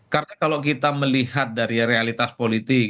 karena kalau kita melihat dari realitas politik